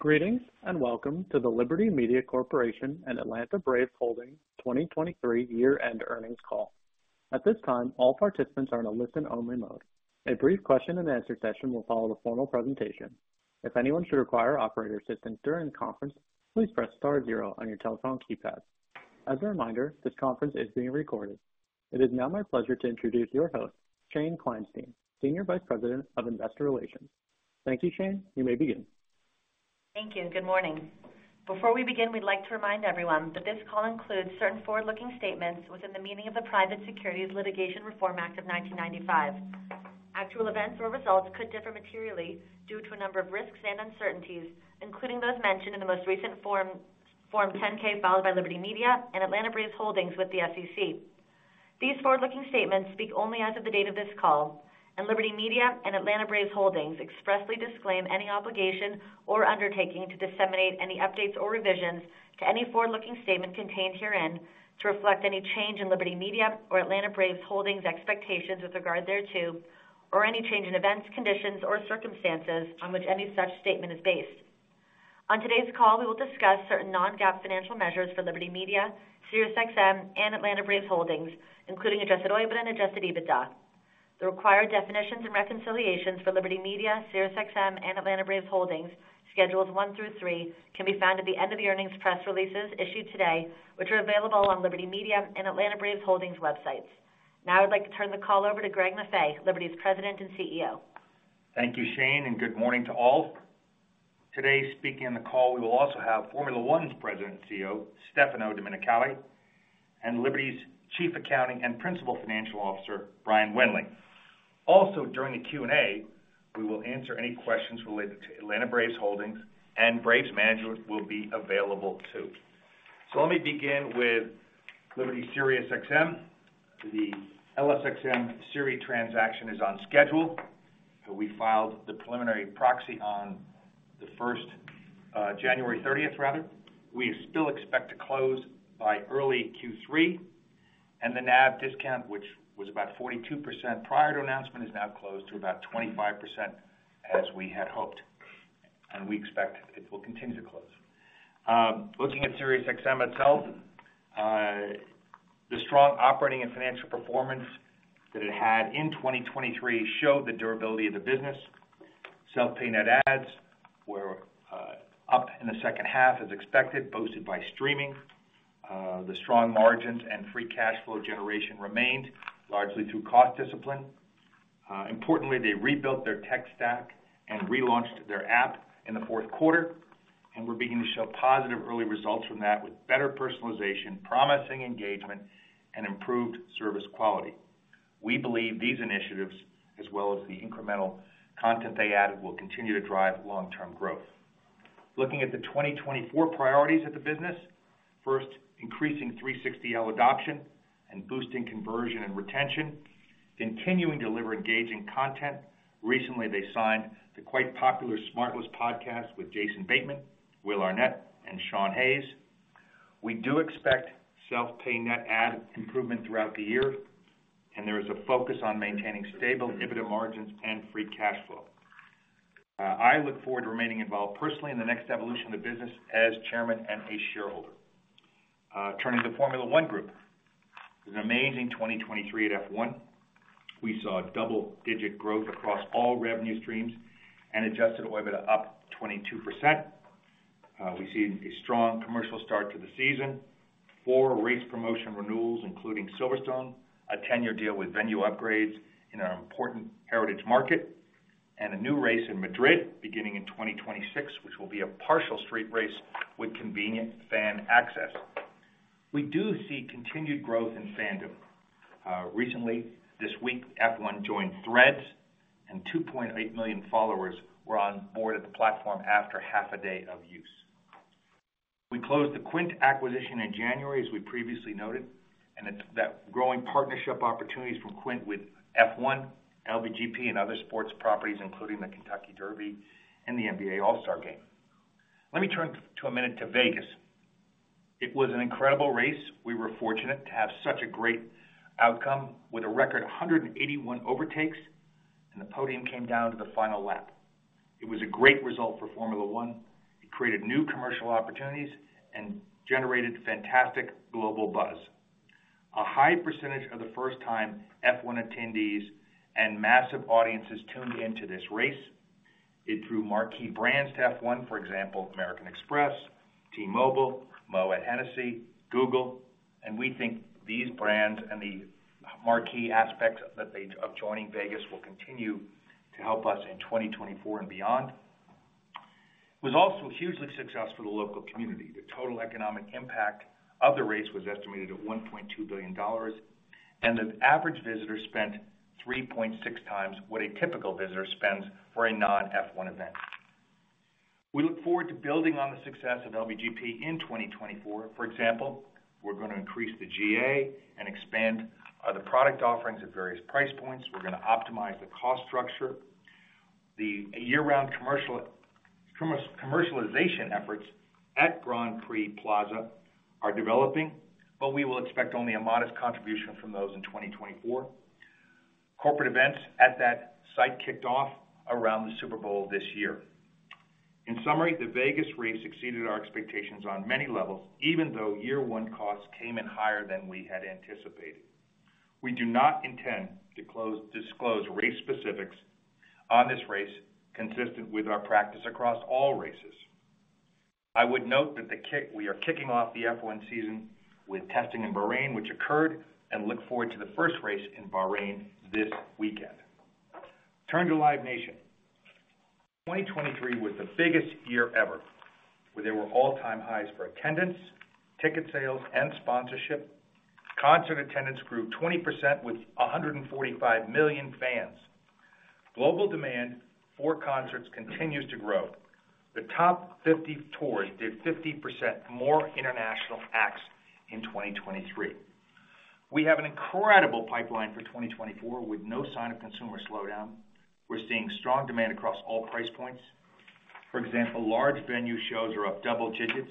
Greetings, and welcome to the Liberty Media Corporation and Atlanta Braves Holdings 2023 year-end earnings call. At this time, all participants are in a listen-only mode. A brief question and answer session will follow the formal presentation. If anyone should require operator assistance during the conference, please press star zero on your telephone keypad. As a reminder, this conference is being recorded. It is now my pleasure to introduce your host, Shane Kleinstein, Senior Vice President of Investor Relations. Thank you, Shane. You may begin. Thank you. Good morning. Before we begin, we'd like to remind everyone that this call includes certain forward-looking statements within the meaning of the Private Securities Litigation Reform Act of 1995. Actual events or results could differ materially due to a number of risks and uncertainties, including those mentioned in the most recent Form 10-K, filed by Liberty Media and Atlanta Braves Holdings with the SEC. These forward-looking statements speak only as of the date of this call, and Liberty Media and Atlanta Braves Holdings expressly disclaim any obligation or undertaking to disseminate any updates or revisions to any forward-looking statement contained herein to reflect any change in Liberty Media or Atlanta Braves Holdings expectations with regard thereto, or any change in events, conditions, or circumstances on which any such statement is based. On today's call, we will discuss certain non-GAAP financial measures for Liberty Media, SiriusXM, and Atlanta Braves Holdings, including adjusted OIBDA and adjusted EBITDA. The required definitions and reconciliations for Liberty Media, SiriusXM, and Atlanta Braves Holdings, Schedules one through three, can be found at the end of the earnings press releases issued today, which are available on Liberty Media and Atlanta Braves Holdings websites. Now I'd like to turn the call over to Greg Maffei, Liberty's President and CEO. Thank you, Shane, and good morning to all. Today, speaking on the call, we will also have Formula One's President and CEO, Stefano Domenicali, and Liberty's Chief Accounting and Principal Financial Officer, Brian Wendling. Also, during the Q&A, we will answer any questions related to Atlanta Braves Holdings, and Braves Management will be available, too. So let me begin with Liberty SiriusXM. The LSXM-SiriusXM transaction is on schedule, so we filed the preliminary proxy on the first, January thirtieth, rather. We still expect to close by early Q3, and the NAV discount, which was about 42% prior to announcement, is now closed to about 25%, as we had hoped, and we expect it will continue to close. Looking at SiriusXM itself, the strong operating and financial performance that it had in 2023 showed the durability of the business. Self-pay net adds were up in the second half, as expected, boosted by streaming. The strong margins and free cash flow generation remained largely through cost discipline. Importantly, they rebuilt their tech stack and relaunched their app in the Q4 and were beginning to show positive early results from that, with better personalization, promising engagement, and improved service quality. We believe these initiatives, as well as the incremental content they added, will continue to drive long-term growth. Looking at the 2024 priorities of the business. First, increasing 360L adoption and boosting conversion and retention, continuing to deliver engaging content. Recently, they signed the quite popular SmartLess podcast with Jason Bateman, Will Arnett, and Sean Hayes. We do expect self-pay net add improvement throughout the year, and there is a focus on maintaining stable EBITDA margins and free cash flow. I look forward to remaining involved personally in the next evolution of the business as chairman and a shareholder. Turning to the Formula One Group. It was an amazing 2023 at F1. We saw double-digit growth across all revenue streams and Adjusted OIBDA up 22%. We see a strong commercial start to the season. Four race promotion renewals, including Silverstone, a 10-year deal with venue upgrades in an important heritage market, and a new race in Madrid beginning in 2026, which will be a partial street race with convenient fan access. We do see continued growth in fandom. Recently, this week, F1 joined Threads, and 2.8 million followers were on board at the platform after half a day of use. We closed the Quint acquisition in January, as we previously noted, and that growing partnership opportunities from Quint with F1, LVGP, and other sports properties, including the Kentucky Derby and the NBA All-Star Game. Let me turn to Vegas in a minute. It was an incredible race. We were fortunate to have such a great outcome with a record 181 overtakes, and the podium came down to the final lap. It was a great result for Formula One. It created new commercial opportunities and generated fantastic global buzz. A high percentage of the first-time F1 attendees and massive audiences tuned in to this race. It drew marquee brands to F1, for example, American Express, T-Mobile, Moët Hennessy, Google, and we think these brands and the marquee aspects of joining Vegas will continue to help us in 2024 and beyond. It was also a huge success for the local community. The total economic impact of the race was estimated at $1.2 billion, and the average visitor spent 3.6 times what a typical visitor spends for a non-F1 event. We look forward to building on the success of LVGP in 2024. For example, we're going to increase the GA and expand the product offerings at various price points. We're going to optimize the cost structure. The year-round commercial commercialization efforts at Grand Prix Plaza are developing, but we will expect only a modest contribution from those in 2024. Corporate events at that site kicked off around the Super Bowl this year. In summary, the Vegas race exceeded our expectations on many levels, even though year one costs came in higher than we had anticipated. We do not intend to disclose race specifics on this race, consistent with our practice across all races. I would note that we are kicking off the F1 season with testing in Bahrain, which occurred, and look forward to the first race in Bahrain this weekend. Turning to Live Nation. 2023 was the biggest year ever, where there were all-time highs for attendance, ticket sales, and sponsorship. Concert attendance grew 20% with 145 million fans. Global demand for concerts continues to grow. The top 50 tours did 50% more international acts in 2023. We have an incredible pipeline for 2024, with no sign of consumer slowdown. We're seeing strong demand across all price points. For example, large venue shows are up double digits,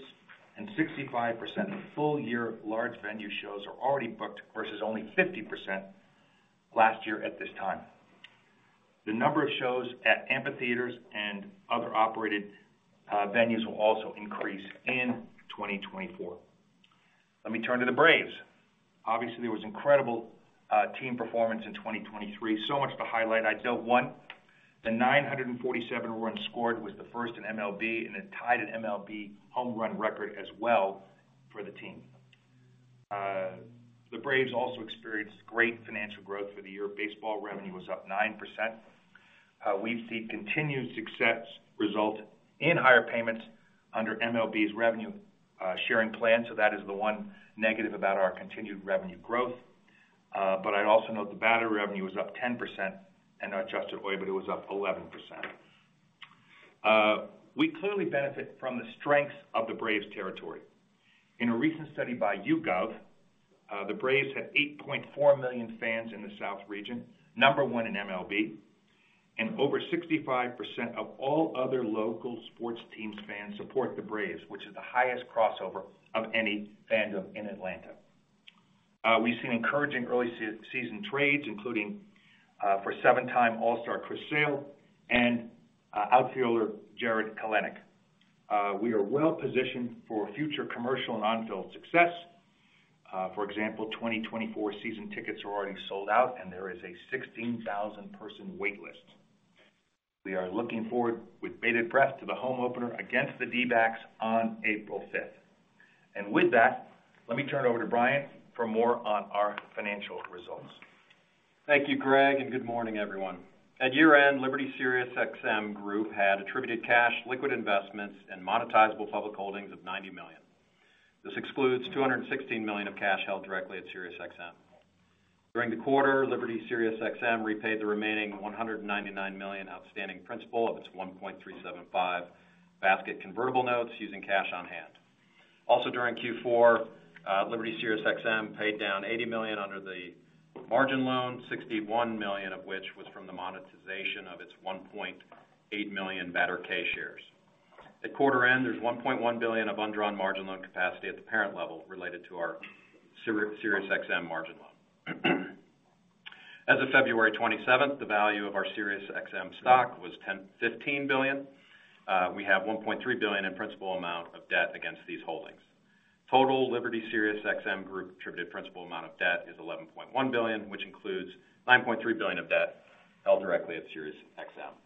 and 65% of full-year large venue shows are already booked, versus only 50% last year at this time. The number of shows at amphitheaters and other operated venues will also increase in 2024. Let me turn to the Braves. Obviously, there was incredible team performance in 2023. So much to highlight, I'd note one, the 947 runs scored was the first in MLB, and it tied an MLB home run record as well for the team. The Braves also experienced great financial growth for the year. Baseball revenue was up 9%. We've seen continued success result in higher payments under MLB's revenue sharing plan, so that is the one negative about our continued revenue growth. But I'd also note the better revenue was up 10%, and our adjusted OIBDA was up 11%. We clearly benefit from the strength of the Braves territory. In a recent study by YouGov, the Braves had 8.4 million fans in the South region, number one in MLB, and over 65% of all other local sports teams fans support the Braves, which is the highest crossover of any fandom in Atlanta. We've seen encouraging early off-season trades, including for seven-time All-Star Chris Sale and outfielder Jarred Kelenic. We are well positioned for future commercial and on-field success. For example, 2024 season tickets are already sold out, and there is a 16,000-person wait list. We are looking forward with bated breath to the home opener against the D-backs on April 5. With that, let me turn it over to Brian for more on our financial results. Thank you, Greg, and good morning, everyone. At year-end, Liberty SiriusXM Group had attributed cash, liquid investments, and monetizable public holdings of $90 million. This excludes $216 million of cash held directly at SiriusXM. During the quarter, Liberty SiriusXM repaid the remaining $199 million outstanding principal of its 1.375 basket convertible notes using cash on hand. Also, during Q4, Liberty SiriusXM paid down $80 million under the margin loan, $61 million of which was from the monetization of its 1.8 million BATRK shares. At quarter end, there's $1.1 billion of undrawn margin loan capacity at the parent level related to our SiriusXM margin loan. As of February twenty-seventh, the value of our SiriusXM stock was $15 billion. We have $1.3 billion in principal amount of debt against these holdings. Total Liberty SiriusXM Group attributed principal amount of debt is $11.1 billion, which includes $9.3 billion of debt held directly at SiriusXM.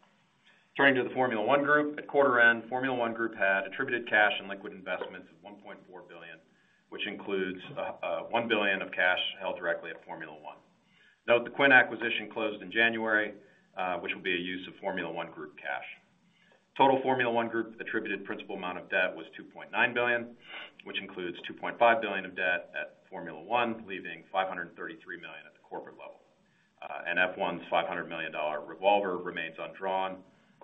Turning to the Formula One Group. At quarter end, Formula One Group had attributed cash and liquid investments of $1.4 billion, which includes $1 billion of cash held directly at Formula One. Note, the Quint acquisition closed in January, which will be a use of Formula One Group cash. Total Formula One Group attributed principal amount of debt was $2.9 billion, which includes $2.5 billion of debt at Formula One, leaving $533 million at the corporate level. And F1's $500 million revolver remains undrawn,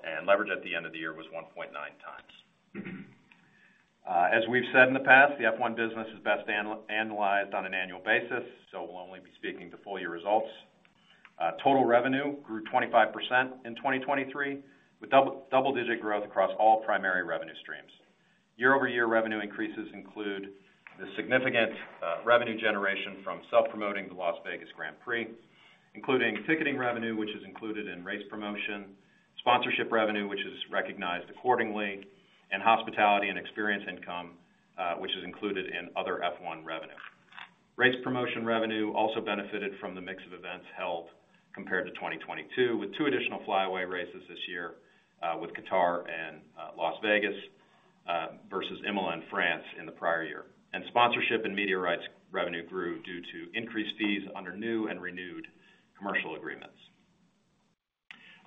and leverage at the end of the year was 1.9 times. As we've said in the past, the F1 business is best analyzed on an annual basis, so we'll only be speaking to full year results. Total revenue grew 25% in 2023, with double, double-digit growth across all primary revenue streams. Year-over-year revenue increases include the significant revenue generation from self-promoting the Las Vegas Grand Prix, including ticketing revenue, which is included in race promotion, sponsorship revenue, which is recognized accordingly, and hospitality and experience income, which is included in other F1 revenue. Race promotion revenue also benefited from the mix of events held compared to 2022, with 2 additional flyaway races this year, with Qatar and Las Vegas, versus Imola and France in the prior year. Sponsorship and media rights revenue grew due to increased fees under new and renewed commercial agreements.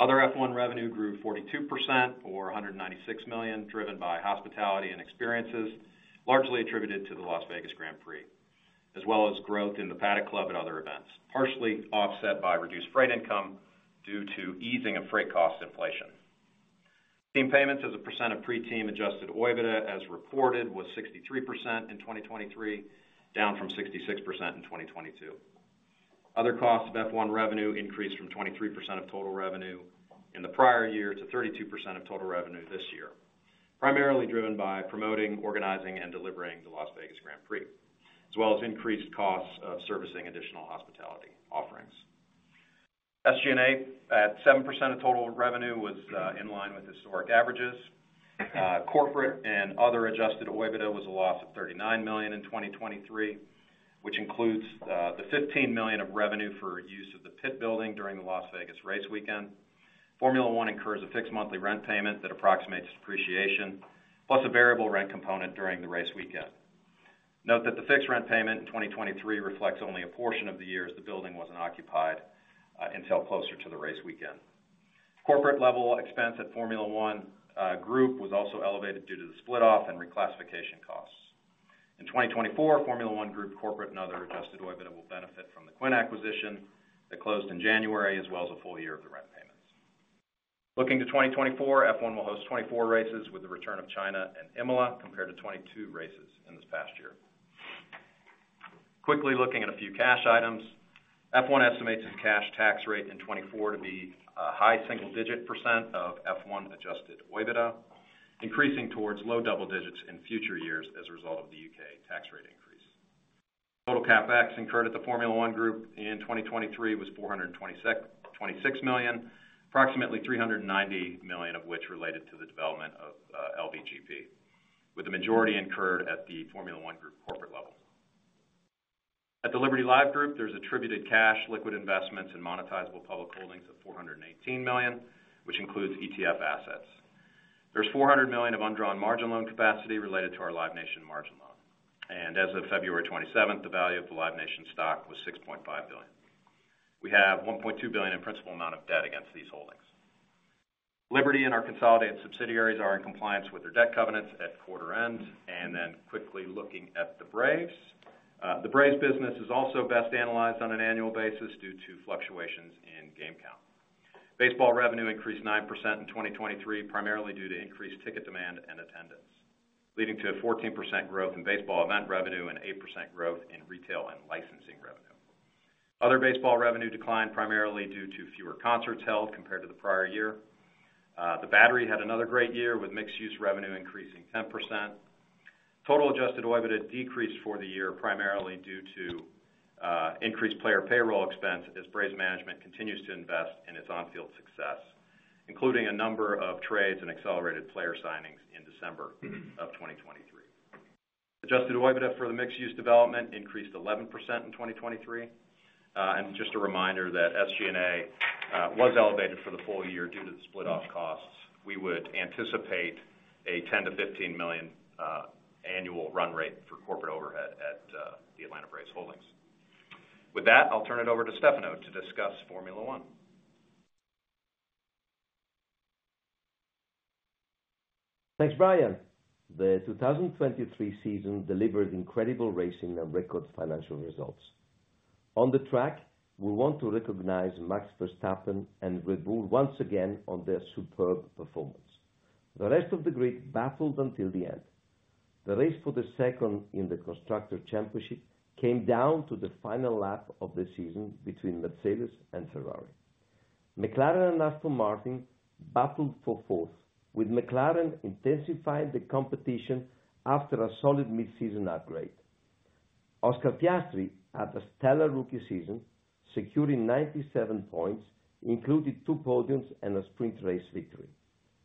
Other F1 revenue grew 42% or $196 million, driven by hospitality and experiences, largely attributed to the Las Vegas Grand Prix, as well as growth in the Paddock Club and other events, partially offset by reduced freight income due to easing of freight cost inflation. Team payments as a percent of pre-team adjusted OIBDA, as reported, was 63% in 2023, down from 66% in 2022. Other costs of F1 revenue increased from 23% of total revenue in the prior year to 32% of total revenue this year. Primarily driven by promoting, organizing, and delivering the Las Vegas Grand Prix, as well as increased costs of servicing additional hospitality offerings. SG&A at 7% of total revenue was in line with historic averages. Corporate and other adjusted OIBDA was a loss of $39 million in 2023, which includes the $15 million of revenue for use of the pit building during the Las Vegas race weekend. Formula One incurs a fixed monthly rent payment that approximates depreciation, plus a variable rent component during the race weekend. Note that the fixed rent payment in 2023 reflects only a portion of the years the building wasn't occupied until closer to the race weekend. Corporate level expense at Formula One Group was also elevated due to the split off and reclassification costs. In 2024, Formula One Group corporate and other adjusted OIBDA will benefit from the Quint acquisition that closed in January, as well as a full year of the rent payments. Looking to 2024, F1 will host 24 races with the return of China and Imola, compared to 22 races in this past year. Quickly looking at a few cash items. F1 estimates its cash tax rate in 2024 to be a high single digit % of F1 adjusted OIBDA, increasing towards low double digits % in future years as a result of the U.K. tax rate increase. Total CapEx incurred at the Formula One Group in 2023 was $426 million, approximately $390 million of which related to the development of LVGP, with the majority incurred at the Formula One Group corporate level. At the Liberty Live Group, there's attributed cash, liquid investments, and monetizable public holdings of $418 million, which includes ETF assets. There's $400 million of undrawn margin loan capacity related to our Live Nation margin loan, and as of February 27th, the value of the Live Nation stock was $6.5 billion. We have $1.2 billion in principal amount of debt against these holdings. Liberty and our consolidated subsidiaries are in compliance with their debt covenants at quarter end. Then quickly looking at the Braves. The Braves business is also best analyzed on an annual basis due to fluctuations in game count. Baseball revenue increased 9% in 2023, primarily due to increased ticket demand and attendance, leading to a 14% growth in baseball event revenue and 8% growth in retail and licensing revenue. Other baseball revenue declined, primarily due to fewer concerts held compared to the prior year. The Battery had another great year, with mixed-use revenue increasing 10%. Total adjusted OIBDA decreased for the year, primarily due to increased player payroll expense as Braves management continues to invest in its on-field success, including a number of trades and accelerated player signings in December of 2023. Adjusted OIBDA for the mixed-use development increased 11% in 2023. Just a reminder that SG&A was elevated for the full year due to the split off costs. We would anticipate a $10 million-$15 million annual run rate for corporate overhead at the Atlanta Braves Holdings. With that, I'll turn it over to Stefano to discuss Formula One. Thanks, Brian. The 2023 season delivered incredible racing and record financial results. On the track, we want to recognize Max Verstappen and Red Bull once again on their superb performance. The rest of the grid battled until the end. The race for the second in the Constructor Championship came down to the final lap of the season between Mercedes and Ferrari. McLaren and Aston Martin battled for fourth, with McLaren intensifying the competition after a solid mid-season upgrade. Oscar Piastri had a stellar rookie season, securing 97 points, including 2 podiums and a sprint race victory.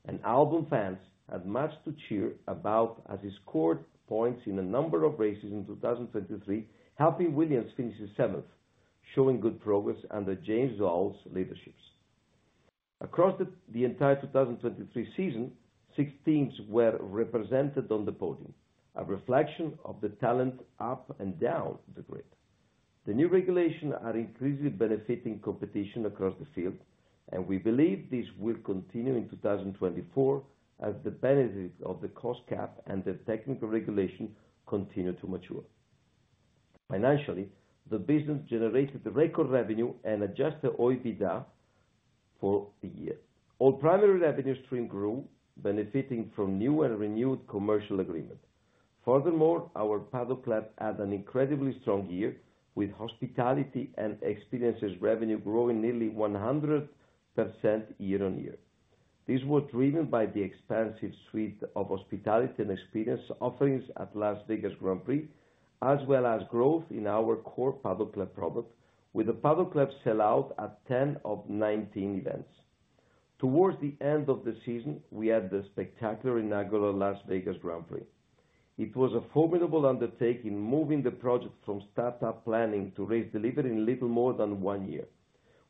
And Albon fans had much to cheer about as he scored points in a number of races in 2023, helping Williams finish in seventh, showing good progress under James Vowles' leadership. Across the entire 2023 season, six teams were represented on the podium, a reflection of the talent up and down the grid. The new regulation are increasingly benefiting competition across the field, and we believe this will continue in 2024 as the benefits of the Cost Cap and the technical regulation continue to mature. Financially, the business generated record revenue and adjusted OIBDA for the year. All primary revenue stream grew, benefiting from new and renewed commercial agreements. Furthermore, our Paddock Club had an incredibly strong year, with hospitality and experiences revenue growing nearly 100% year-over-year. This was driven by the expansive suite of hospitality and experience offerings at Las Vegas Grand Prix, as well as growth in our core Paddock Club product, with the Paddock Club sell out at 10 of 19 events. Towards the end of the season, we had the spectacular inaugural Las Vegas Grand Prix. It was a formidable undertaking, moving the project from start-up planning to race delivery in little more than one year.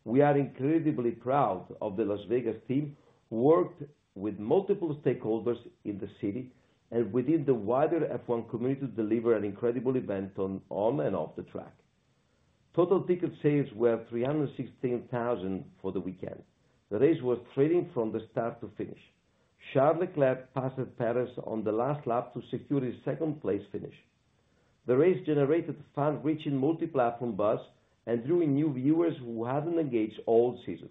We are incredibly proud of the Las Vegas team, worked with multiple stakeholders in the city and within the wider F1 community to deliver an incredible event on and off the track. Total ticket sales were 316,000 for the weekend. The race was thrilling from the start to finish. Charles Leclerc passed Pérez on the last lap to secure his second place finish. The race generated fan-reaching multi-platform buzz and drew in new viewers who hadn't engaged all season.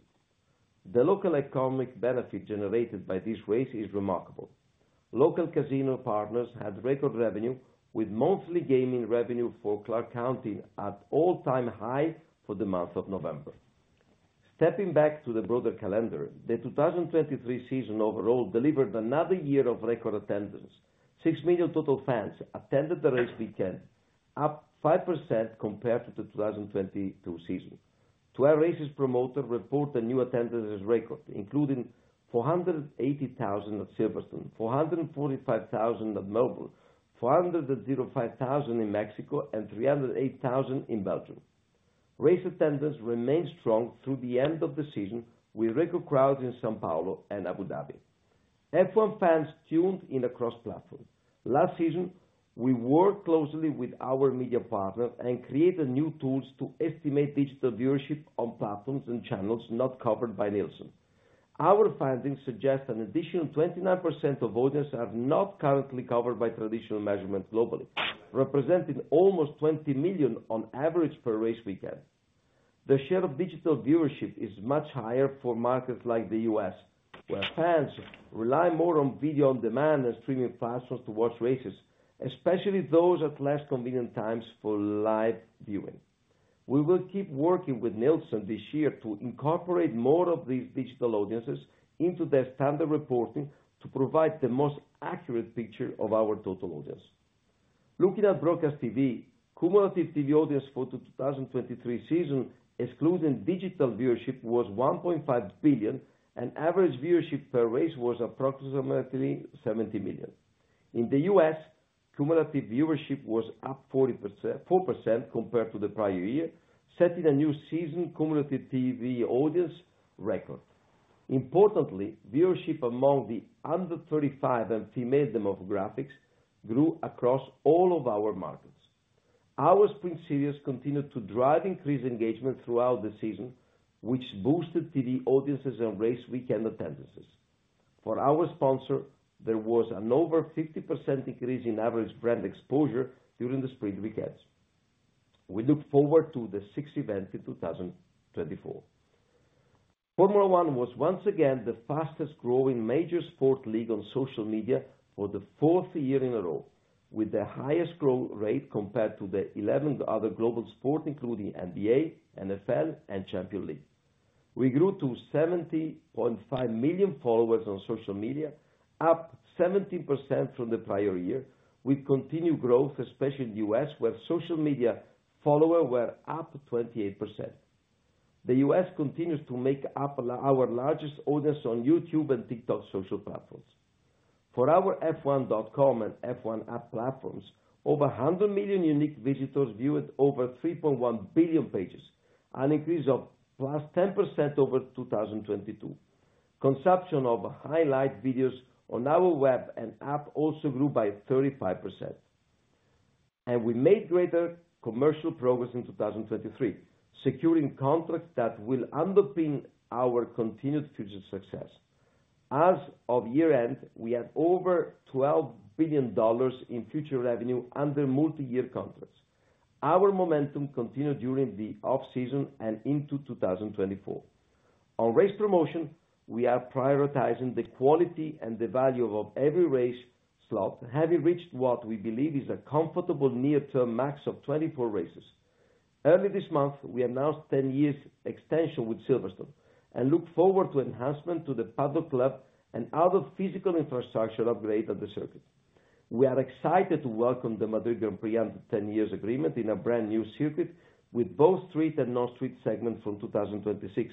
The local economic benefit generated by this race is remarkable. Local casino partners had record revenue, with monthly gaming revenue for Clark County at all-time high for the month of November. Stepping back to the broader calendar, the 2023 season overall delivered another year of record attendance. Six million total fans attended the race weekend, up 5% compared to the 2022 season. Twelve races promoter reported new attendance record, including 480,000 at Silverstone, 445,000 at Melbourne, 405,000 in Mexico, and 308,000 in Belgium. Race attendance remained strong through the end of the season, with record crowds in São Paulo and Abu Dhabi. F1 fans tuned in across platform. Last season, we worked closely with our media partner and created new tools to estimate digital viewership on platforms and channels not covered by Nielsen. Our findings suggest an additional 29% of audience are not currently covered by traditional measurement globally, representing almost 20 million on average per race weekend. The share of digital viewership is much higher for markets like the U.S., where fans rely more on video, on demand, and streaming platforms to watch races, especially those at less convenient times for live viewing. We will keep working with Nielsen this year to incorporate more of these digital audiences into their standard reporting, to provide the most accurate picture of our total audience. Looking at broadcast TV, cumulative TV audience for the 2023 season, excluding digital viewership, was 1.5 billion, and average viewership per race was approximately 70 million. In the U.S., cumulative viewership was up 40%-4% compared to the prior year, setting a new season cumulative TV audience record. Importantly, viewership among the under 35 and female demographics grew across all of our markets. Our sprint series continued to drive increased engagement throughout the season, which boosted TV audiences and race weekend attendances. For our sponsor, there was an over 50% increase in average brand exposure during the sprint weekends. We look forward to the six events in 2024. Formula One was once again the fastest growing major sport league on social media for the fourth year in a row, with the highest growth rate compared to the 11 other global sports, including NBA, NFL, and Champions League. We grew to 70.5 million followers on social media, up 17% from the prior year, with continued growth, especially in the U.S., where social media followers were up 28%. The U.S. continues to make up our largest audience on YouTube and TikTok social platforms. For our F1.com and F1 app platforms, over 100 million unique visitors viewed over 3.1 billion pages, an increase of +10% over 2022. Consumption of highlight videos on our web and app also grew by 35%. We made greater commercial progress in 2023, securing contracts that will underpin our continued future success. As of year-end, we have over $12 billion in future revenue under multi-year contracts. Our momentum continued during the off-season and into 2024. On race promotion, we are prioritizing the quality and the value of every race slot, having reached what we believe is a comfortable near-term max of 24 races. Early this month, we announced 10-year extension with Silverstone, and look forward to enhancement to the Paddock Club and other physical infrastructure upgrade at the circuit. We are excited to welcome the Madrid Grand Prix under 10-year agreement in a brand new circuit with both street and non-street segments from 2026.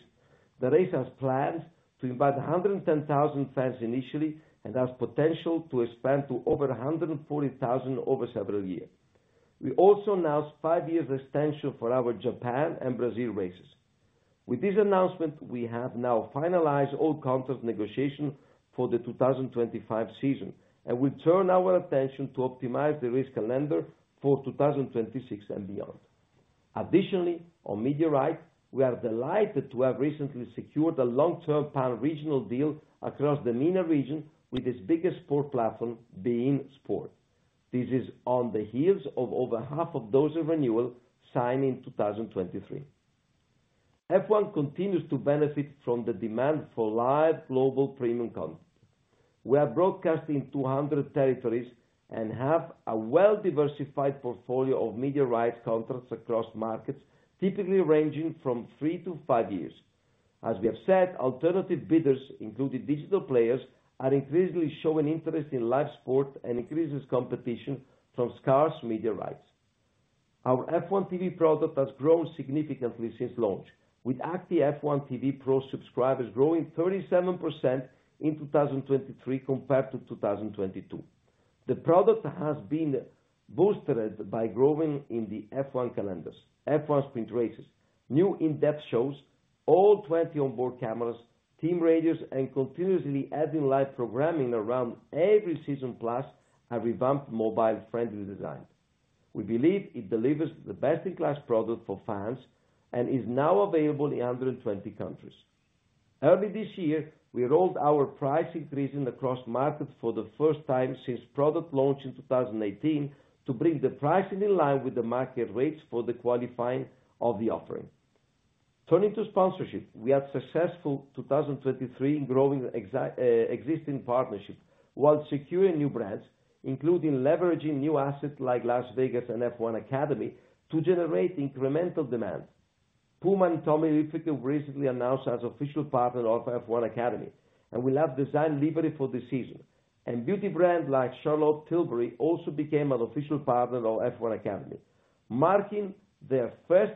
The race has plans to invite 110,000 fans initially, and has potential to expand to over 140,000 over several years. We also announced 5-year extension for our Japan and Brazil races. With this announcement, we have now finalized all contract negotiations for the 2025 season, and we turn our attention to optimize the race calendar for 2026 and beyond. Additionally, on media rights, we are delighted to have recently secured a long-term pan-regional deal across the MENA region with its biggest sport platform, beIN Sports. This is on the heels of over half of those renewals signed in 2023. F1 continues to benefit from the demand for live global premium content. We are broadcasting in 200 territories and have a well-diversified portfolio of media rights contracts across markets, typically ranging from 3-5 years. As we have said, alternative bidders, including digital players, are increasingly showing interest in live sport and increasing competition for scarce media rights. Our F1 TV product has grown significantly since launch, with active F1 TV Pro subscribers growing 37% in 2023 compared to 2022. The product has been bolstered by growing in the F1 calendars, F1 sprint races, new in-depth shows, all 20 onboard cameras, team radios, and continuously adding live programming around every season, plus a revamped, mobile-friendly design. We believe it delivers the best-in-class product for fans and is now available in 120 countries. Early this year, we rolled our price increase across markets for the first time since product launch in 2018, to bring the pricing in line with the market rates for the qualifying of the offering. Turning to sponsorship. We had successful 2023 in growing existing partnerships, while securing new brands, including leveraging new assets like Las Vegas and F1 Academy to generate incremental demand. PUMA and Tommy Hilfiger recently announced as official partner of F1 Academy, and we'll have design livery for the season. Beauty brand like Charlotte Tilbury also became an official partner of F1 Academy, marking their first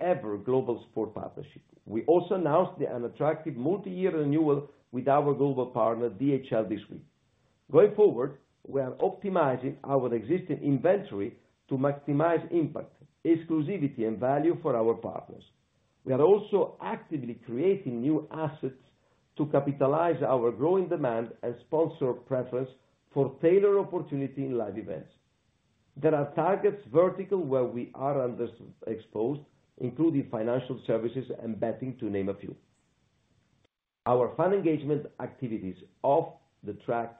ever global sport partnership. We also announced an attractive multi-year renewal with our global partner, DHL, this week. Going forward, we are optimizing our existing inventory to maximize impact, exclusivity, and value for our partners. We are also actively creating new assets to capitalize our growing demand and sponsor preference for tailored opportunity in live events. There are targets vertical where we are under exposed, including financial services and betting, to name a few. Our fan engagement activities off the track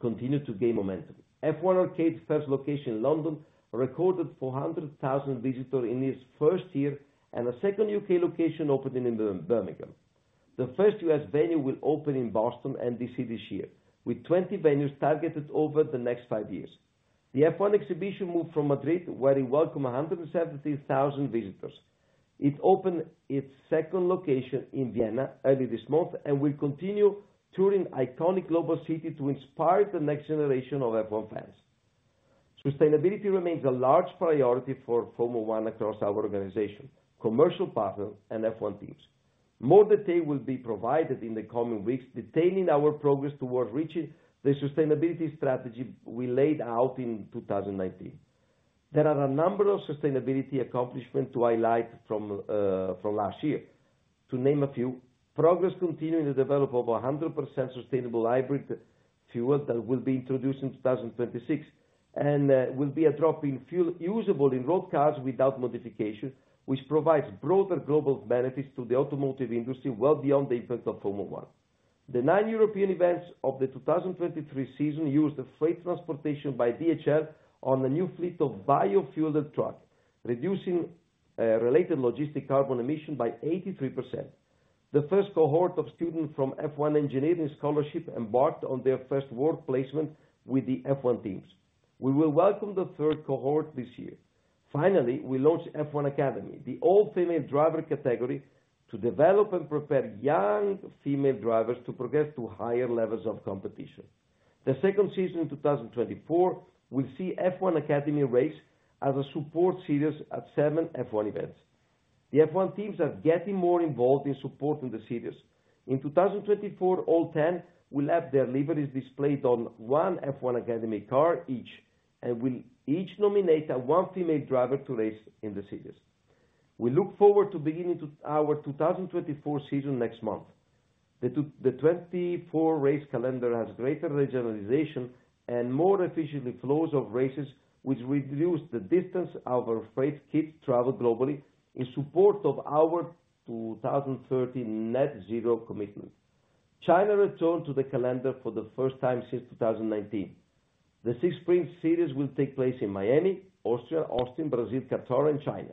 continued to gain momentum. F1 Arcade's first location in London recorded 400,000 visitors in its first year, and a second U.K. location opened in Birmingham. The first U.S. venue will open in Boston and D.C. this year, with 20 venues targeted over the next five years. The F1 Exhibition moved from Madrid, where it welcomed 170,000 visitors. It opened its second location in Vienna early this month and will continue touring iconic global city to inspire the next generation of F1 fans. Sustainability remains a large priority for Formula One across our organization, commercial partners, and F1 teams. More detail will be provided in the coming weeks, detailing our progress towards reaching the sustainability strategy we laid out in 2019. There are a number of sustainability accomplishments to highlight from last year. To name a few, progress continuing to develop over 100% sustainable hybrid fuel that will be introduced in 2026, and will be a drop-in fuel, usable in road cars without modification, which provides broader global benefits to the automotive industry well beyond the impact of Formula One. The 9 European events of the 2023 season used the freight transportation by DHL on a new fleet of biofueled trucks, reducing related logistic carbon emission by 83%. The first cohort of students from F1 Engineering Scholarship embarked on their first work placement with the F1 teams. We will welcome the third cohort this year. Finally, we launched F1 Academy, the all-female driver category, to develop and prepare young female drivers to progress to higher levels of competition. The second season in 2024 will see F1 Academy race as a support series at 7 F1 events. The F1 teams are getting more involved in supporting the series. In 2024, all 10 will have their liveries displayed on one F1 Academy car each, and will each nominate one female driver to race in the series. We look forward to beginning our 2024 season next month. The 24 race calendar has greater regionalization and more efficient flows of races, which reduce the distance our freight kits travel globally in support of our 2030 net zero commitment. China returned to the calendar for the first time since 2019. The six sprint series will take place in Miami, Austria, Austin, Brazil, Qatar, and China.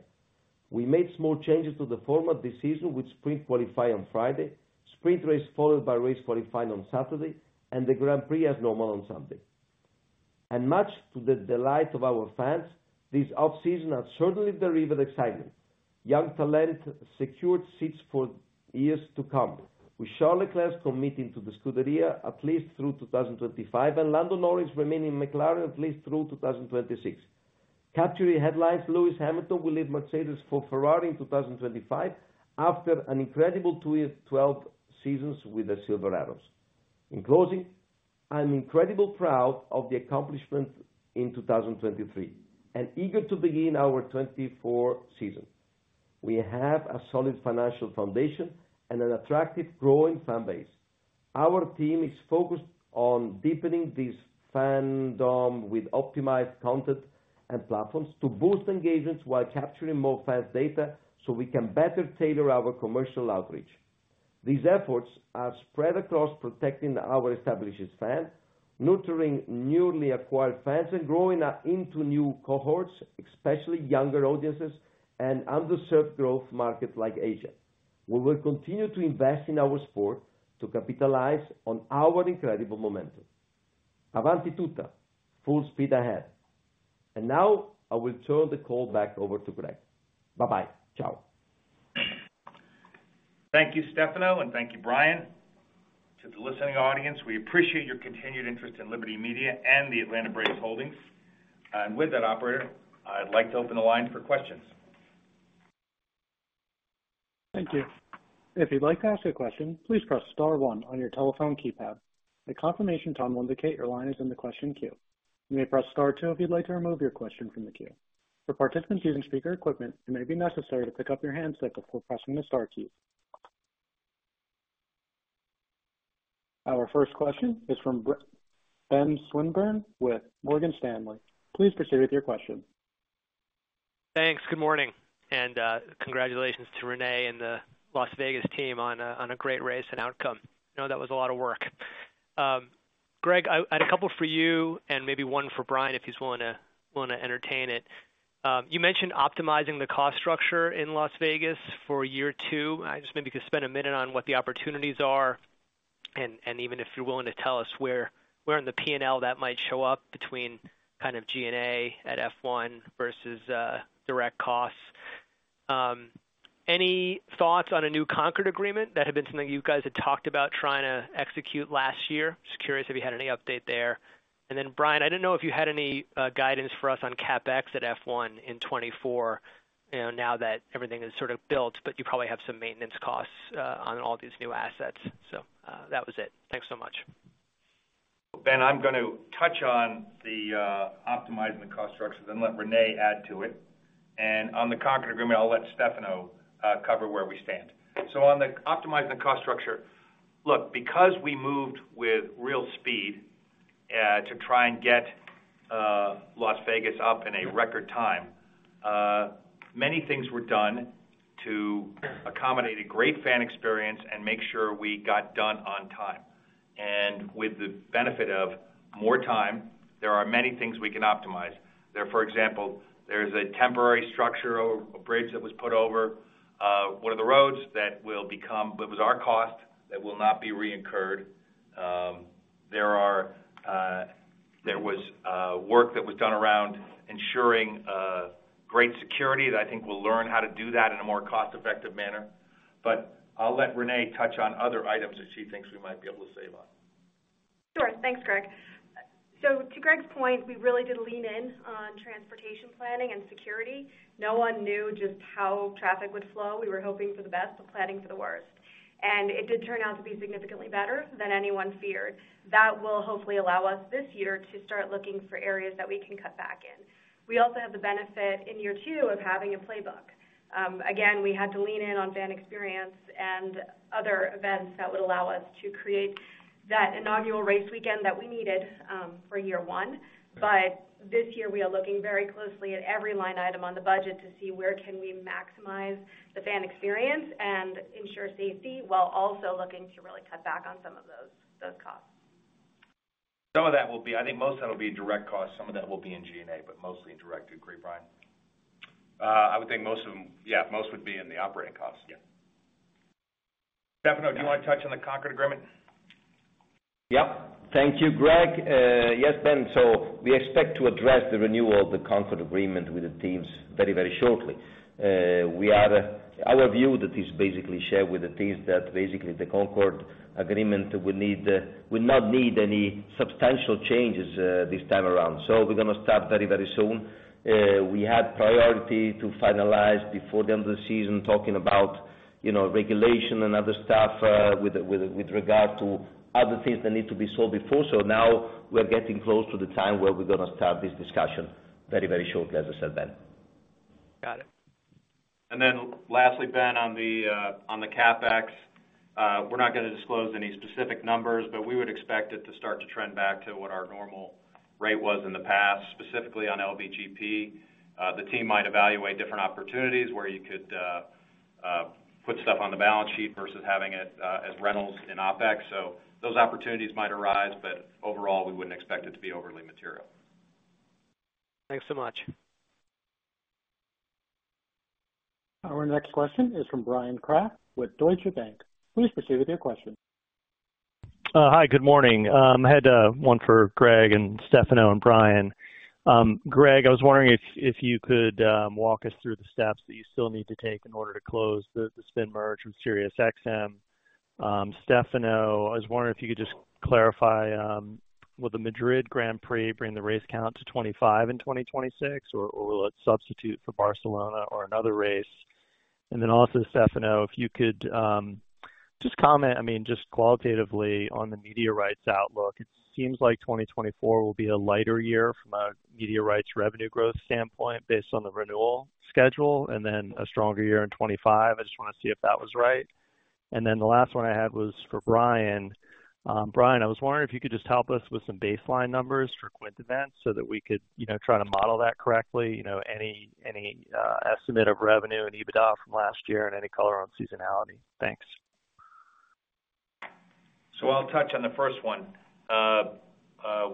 We made small changes to the format this season with sprint qualify on Friday, sprint race followed by race qualifying on Saturday, and the Grand Prix as normal on Sunday. Much to the delight of our fans, this off-season has certainly delivered excitement. Young talent secured seats for years to come, with Charles Leclerc committing to the Scuderia at least through 2025, and Lando Norris remaining in McLaren at least through 2026. Capturing headlines, Lewis Hamilton will leave Mercedes for Ferrari in 2025 after an incredible two-year, 12 seasons with the Silver Arrows. In closing, I'm incredibly proud of the accomplishment in 2023, and eager to begin our 2024 season. We have a solid financial foundation and an attractive, growing fan base. Our team is focused on deepening this fandom with optimized content and platforms to boost engagements while capturing more fans' data, so we can better tailor our commercial outreach. These efforts are spread across protecting our established fans, nurturing newly acquired fans, and growing into new cohorts, especially younger audiences and underserved growth markets like Asia. We will continue to invest in our sport to capitalize on our incredible momentum. Avanti tutta! Full speed ahead. Now, I will turn the call back over to Greg. Bye-bye. Ciao. Thank you, Stefano, and thank you, Brian. To the listening audience, we appreciate your continued interest in Liberty Media and the Atlanta Braves Holdings. With that, operator, I'd like to open the line for questions. Thank you. If you'd like to ask a question, please press star one on your telephone keypad. A confirmation tone will indicate your line is in the question queue. You may press star two if you'd like to remove your question from the queue. For participants using speaker equipment, it may be necessary to pick up your handset before pressing the star key. Our first question is from Ben Swinburne with Morgan Stanley. Please proceed with your question. Thanks. Good morning, and congratulations to Renee and the Las Vegas team on a great race and outcome. I know that was a lot of work. Greg, I had a couple for you and maybe one for Brian, if he's willing to entertain it. You mentioned optimizing the cost structure in Las Vegas for year two. Just maybe you could spend a minute on what the opportunities are? And even if you're willing to tell us where in the P&L that might show up between kind of G&A at F1 versus direct costs. Any thoughts on a new Concorde Agreement? That had been something you guys had talked about trying to execute last year. Just curious if you had any update there. Then, Brian, I didn't know if you had any guidance for us on CapEx at F1 in 2024, you know, now that everything is sort of built, but you probably have some maintenance costs on all these new assets. So, that was it. Thanks so much. Ben, I'm going to touch on the, optimizing the cost structure, then let Renee add to it. And on the Concorde Agreement, I'll let Stefano, cover where we stand. So on the optimizing the cost structure: look, because we moved with real speed, to try and get, Las Vegas up in a record time, many things were done to accommodate a great fan experience and make sure we got done on time. And with the benefit of more time, there are many things we can optimize. There, for example, there's a temporary structure over, a bridge that was put over, one of the roads that will become... It was our cost, that will not be re-incurred. There was work that was done around ensuring great security, that I think we'll learn how to do that in a more cost-effective manner. But I'll let Renee touch on other items that she thinks we might be able to save on. Sure. Thanks, Greg. So to Greg's point, we really did lean in on transportation planning and security. No one knew just how traffic would flow. We were hoping for the best, but planning for the worst. And it did turn out to be significantly better than anyone feared. That will hopefully allow us this year to start looking for areas that we can cut back in. We also have the benefit in year two of having a playbook. Again, we had to lean in on fan experience and other events that would allow us to create that inaugural race weekend that we needed, for year one. But this year, we are looking very closely at every line item on the budget to see where can we maximize the fan experience and ensure safety, while also looking to really cut back on some of those, those costs. Some of that will be, I think most of that will be direct costs. Some of that will be in G&A, but mostly in direct. Do you agree, Brian? I would think most of them, yeah, most would be in the operating costs. Yeah. Stefano, do you want to touch on the Concorde Agreement? Yep. Thank you, Greg. Yes, Ben, so we expect to address the renewal of the Concorde Agreement with the teams very, very shortly. Our view that is basically shared with the teams, that basically the Concorde Agreement will need, will not need any substantial changes, this time around. So we're going to start very, very soon. We had priority to finalize before the end of the season, talking about, you know, regulation and other stuff, with regard to other things that need to be solved before. So now we're getting close to the time where we're going to start this discussion very, very shortly, as I said, Ben. Got it. And then lastly, Ben, on the, on the CapEx, we're not going to disclose any specific numbers, but we would expect it to start to trend back to what our normal rate was in the past, specifically on LVGP. The team might evaluate different opportunities where you could, put stuff on the balance sheet versus having it, as rentals in OpEx. So those opportunities might arise, but overall, we wouldn't expect it to be overly material. Thanks so much. Our next question is from Brian Kraft with Deutsche Bank. Please proceed with your question. Hi, good morning. I had one for Greg and Stefano and Brian. Greg, I was wondering if you could walk us through the steps that you still need to take in order to close the spin merge with SiriusXM. Stefano, I was wondering if you could just clarify, will the Madrid Grand Prix bring the race count to 25 in 2026, or will it substitute for Barcelona or another race? And then also, Stefano, if you could just comment, I mean, just qualitatively on the media rights outlook. It seems like 2024 will be a lighter year from a media rights revenue growth standpoint, based on the renewal schedule, and then a stronger year in 2025. I just want to see if that was right. And then the last one I had was for Brian. Brian, I was wondering if you could just help us with some baseline numbers for QuintEvents so that we could, you know, try to model that correctly. You know, any estimate of revenue and EBITDA from last year and any color on seasonality. Thanks. So I'll touch on the first one.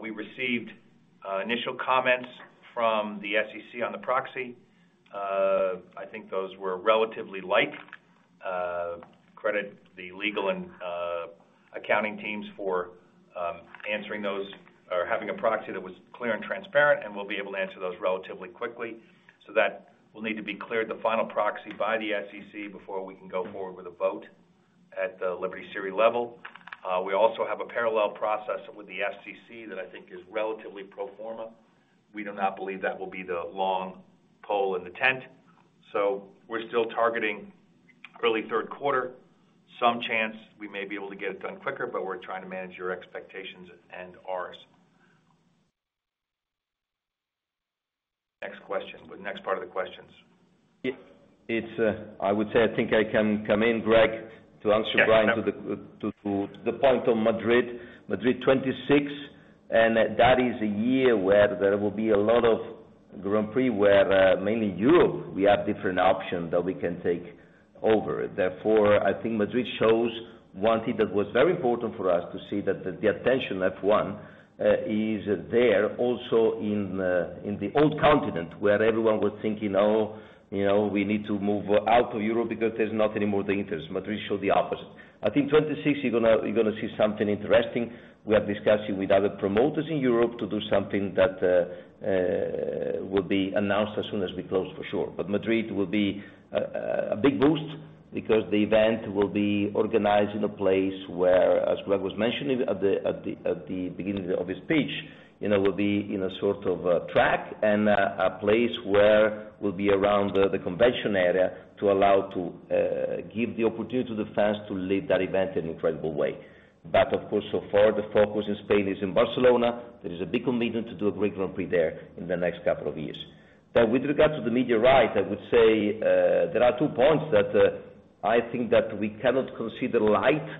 We received initial comments from the SEC on the proxy. I think those were relatively light. Credit the legal and accounting teams for answering those or having a proxy that was clear and transparent, and we'll be able to answer those relatively quickly. So that will need to be cleared, the final proxy by the SEC, before we can go forward with a vote at the Liberty Series level. We also have a parallel process with the FCC that I think is relatively pro forma. We do not believe that will be the long pole in the tent, so we're still targeting early Q3. Some chance we may be able to get it done quicker, but we're trying to manage your expectations and ours. Next question, the next part of the questions. I would say, I think I can come in, Greg, to answer Brian, to the- Yes.... to the point on Madrid. Madrid 26, and that is a year where there will be a lot of Grand Prix, where mainly Europe, we have different options that we can take over it. Therefore, I think Madrid shows one thing that was very important for us to see that the attention F1 is there also in the old continent, where everyone was thinking, Oh, you know, we need to move out of Europe because there's not any more the interest. Madrid showed the opposite. I think 2026, you're going to see something interesting. We are discussing with other promoters in Europe to do something that will be announced as soon as we close, for sure. But Madrid will be a big boost because the event will be organized in a place where, as Greg was mentioning at the beginning of his speech, you know, will be in a sort of a track and a place where will be around the convention area to allow to give the opportunity to the fans to live that event in an incredible way. But of course, so far, the focus in Spain is in Barcelona. There is a big commitment to do a great Grand Prix there in the next couple of years. But with regard to the media rights, I would say, there are two points that I think that we cannot consider lightly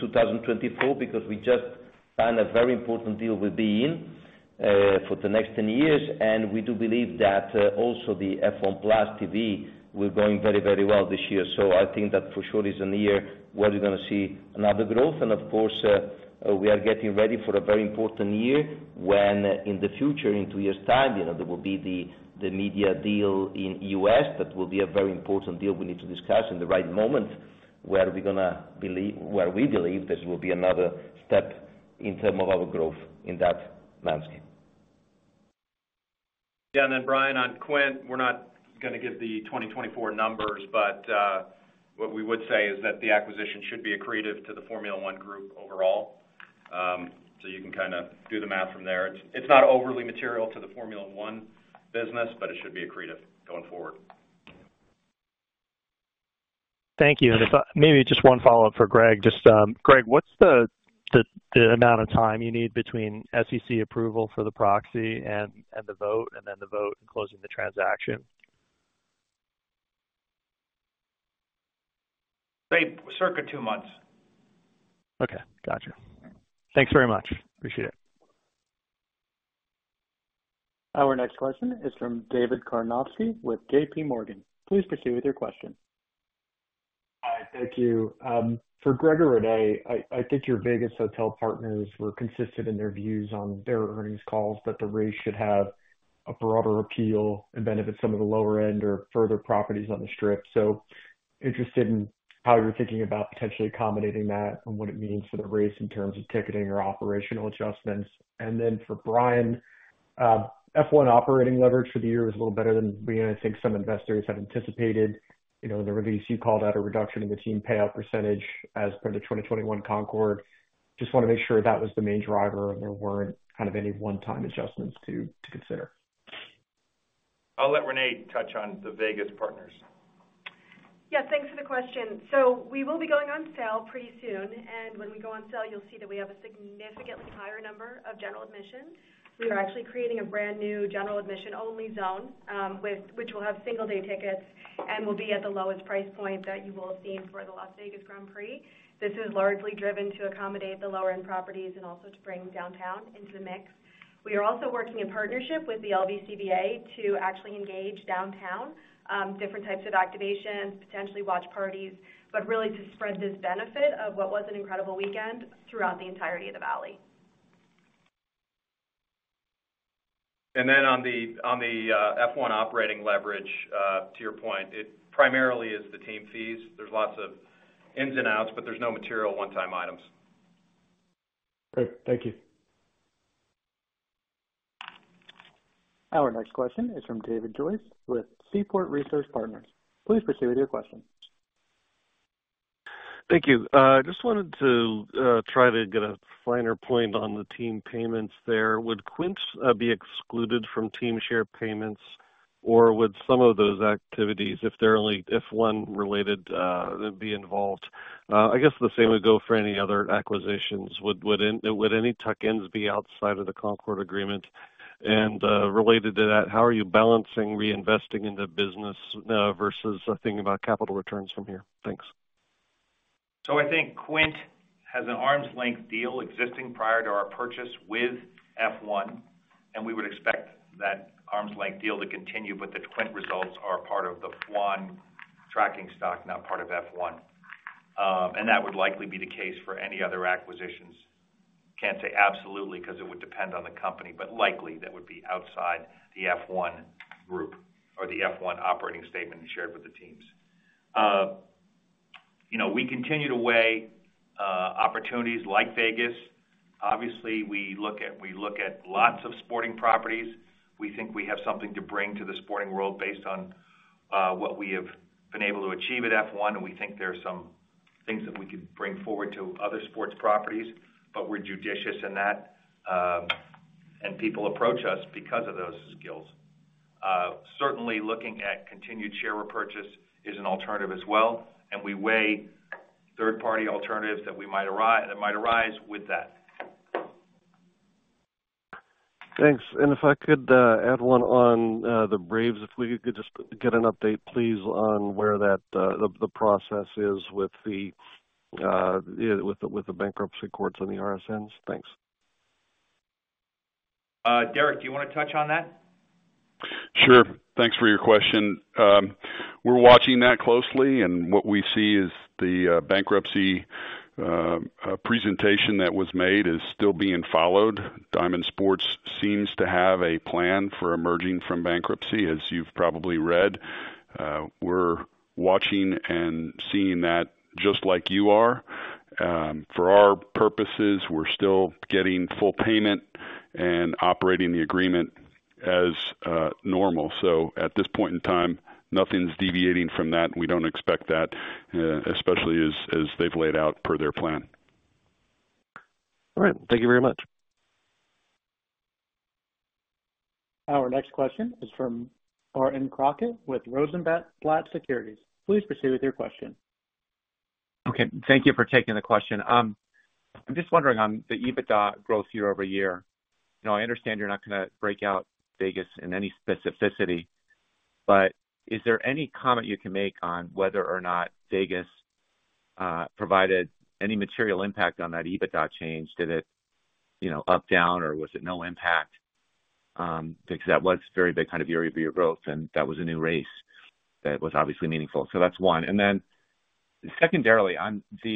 2024, because we just signed a very important deal with beIN for the next 10 years, and we do believe that also the F1 TV Pro will be going very, very well this year. So I think that for sure this is the year where we're going to see another growth. And of course, we are getting ready for a very important year when in the future, in 2 years' time, you know, there will be the media deal in the U.S. That will be a very important deal we need to discuss in the right moment, where we believe this will be another step in terms of our growth in that landscape. Yeah, and then Brian, on Quint, we're not going to give the 2024 numbers, but, what we would say is that the acquisition should be accretive to the Formula One Group overall. So you can kind of do the math from there. It's, it's not overly material to the Formula One business, but it should be accretive going forward. Thank you. And if I... Maybe just one follow-up for Greg. Just, Greg, what's the amount of time you need between SEC approval for the proxy and the vote, and then the vote and closing the transaction? Say, circa two months. Okay, got you. Thanks very much. Appreciate it. Our next question is from David Karnofsky with JP Morgan. Please proceed with your question. Hi, thank you. For Greg or Renee, I think your Vegas hotel partners were consistent in their views on their earnings calls, that the race should have a broader appeal and benefit some of the lower end or further properties on the Strip. Interested in how you're thinking about potentially accommodating that and what it means for the race in terms of ticketing or operational adjustments. For Brian, F1 operating leverage for the year was a little better than I think some investors had anticipated. You know, in the release, you called out a reduction in the team payout percentage as per the 2021 Concorde. Just want to make sure that was the main driver, and there weren't kind of any one-time adjustments to consider. I'll let Renee touch on the Vegas partners. Yeah, thanks for the question. So we will be going on sale pretty soon, and when we go on sale, you'll see that we have a significantly higher number of general admissions. We are actually creating a brand new general admission-only zone, which will have single-day tickets and will be at the lowest price point that you will have seen for the Las Vegas Grand Prix. This is largely driven to accommodate the lower-end properties and also to bring downtown into the mix. We are also working in partnership with the LVCVA to actually engage downtown, different types of activations, potentially watch parties, but really to spread this benefit of what was an incredible weekend throughout the entirety of the valley. Then on the F1 operating leverage, to your point, it primarily is the team fees. There's lots of ins and outs, but there's no material one-time items. Great. Thank you. Our next question is from David Joyce with Seaport Research Partners. Please proceed with your question. Thank you. Just wanted to try to get a finer point on the team payments there. Would Quint be excluded from team share payments, or would some of those activities, if they're only F1 related, be involved? I guess the same would go for any other acquisitions. Would any tuck-ins be outside of the Concorde Agreement? And related to that, how are you balancing reinvesting in the business versus thinking about capital returns from here? Thanks. So I think Quint has an arm's length deal existing prior to our purchase with F1, and we would expect that arm's length deal to continue, but the Quint results are part of the Formula One tracking stock, not part of F1. That would likely be the case for any other acquisitions. Can't say absolutely, because it would depend on the company, but likely that would be outside the F1 group or the F1 operating statement shared with the teams. You know, we continue to weigh opportunities like Vegas. Obviously, we look at, we look at lots of sporting properties. We think we have something to bring to the sporting world based on what we have been able to achieve at F1, and we think there are some things that we could bring forward to other sports properties, but we're judicious in that, and people approach us because of those skills. Certainly, looking at continued share repurchase is an alternative as well, and we weigh third-party alternatives that might arise with that. Thanks. And if I could add one on the Braves, if we could just get an update, please, on where that, the, the process is with the bankruptcy courts on the RSNs? Thanks. Derek, do you want to touch on that? Sure. Thanks for your question. We're watching that closely, and what we see is the bankruptcy presentation that was made is still being followed. Diamond Sports seems to have a plan for emerging from bankruptcy, as you've probably read. We're watching and seeing that just like you are. For our purposes, we're still getting full payment and operating the agreement as normal. So at this point in time, nothing's deviating from that, and we don't expect that, especially as they've laid out per their plan. All right. Thank you very much. Our next question is from Barton Crockett with Rosenblatt Securities. Please proceed with your question. Okay, thank you for taking the question. I'm just wondering on the EBITDA growth year-over-year. Now, I understand you're not going to break out Vegas in any specificity, but is there any comment you can make on whether or not Vegas provided any material impact on that EBITDA change? Did it, you know, up, down, or was it no impact? Because that was very big kind of year-over-year growth, and that was a new race that was obviously meaningful. So that's one. Then secondarily, on the,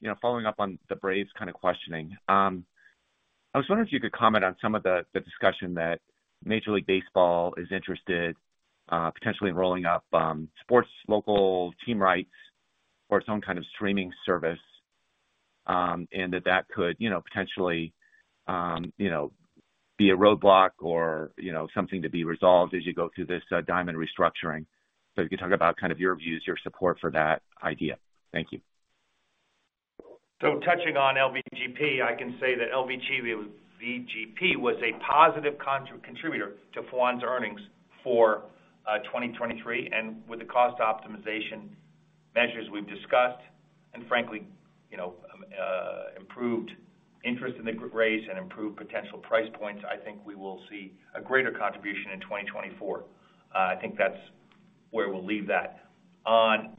you know, following up on the Braves kind of questioning, I was wondering if you could comment on some of the discussion that Major League Baseball is interested, potentially in rolling up, sports, local team rights or some kind of streaming service, and that that could, you know, potentially, you know, be a roadblock or, you know, something to be resolved as you go through this, Diamond restructuring. So if you could talk about kind of your views, your support for that idea. Thank you. So touching on LVGP, I can say that LVGP was a positive contributor to F1's earnings for 2023, and with the cost optimization measures we've discussed and frankly, you know, improved interest in the race and improved potential price points, I think we will see a greater contribution in 2024. I think that's where we'll leave that. On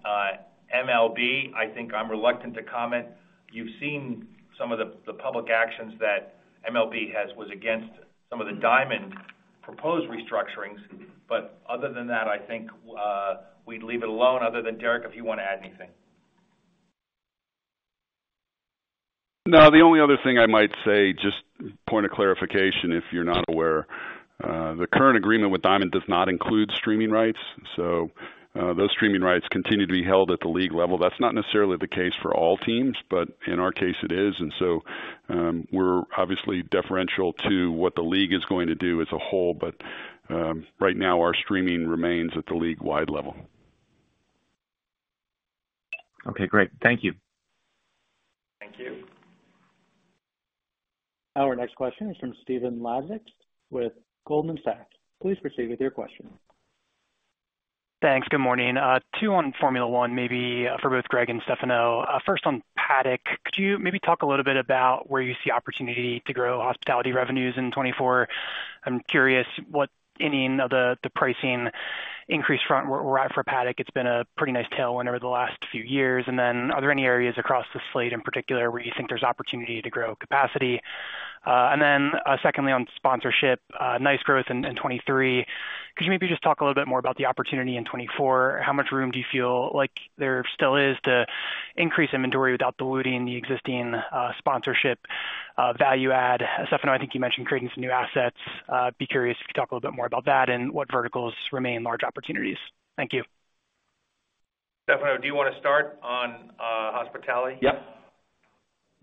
MLB, I think I'm reluctant to comment. You've seen some of the public actions that MLB has, was against some of the Diamond proposed restructurings, but other than that, I think we'd leave it alone, other than Derek, if you want to add anything. No, the only other thing I might say, just point of clarification, if you're not aware. The current agreement with Diamond does not include streaming rights, so those streaming rights continue to be held at the league level. That's not necessarily the case for all teams, but in our case, it is. And so, we're obviously deferential to what the league is going to do as a whole, but right now, our streaming remains at the league-wide level. Okay, great. Thank you. Thank you. Our next question is from Stephen Laszczyk with Goldman Sachs. Please proceed with your question. Thanks. Good morning. Two on Formula One, maybe for both Greg and Stefano. First on Paddock. Could you maybe talk a little bit about where you see opportunity to grow hospitality revenues in 2024? I'm curious what any of the pricing increase front were at for Paddock. It's been a pretty nice tailwind over the last few years. And then are there any areas across the slate in particular where you think there's opportunity to grow capacity? And then, secondly, on sponsorship, nice growth in 2023. Could you maybe just talk a little bit more about the opportunity in 2024? How much room do you feel like there still is to increase inventory without diluting the existing sponsorship value add? Stefano, I think you mentioned creating some new assets. Be curious if you could talk a little bit more about that and what verticals remain large opportunities. Thank you. Stefano, do you want to start on hospitality? Yeah.